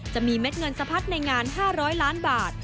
เม็ดเงินสะพัดในงาน๕๐๐ล้านบาท